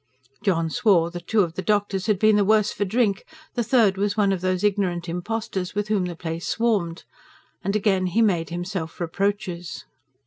John swore that two of the doctors had been the worse for drink; the third was one of those ignorant impostors with whom the place swarmed. And again he made himself reproaches.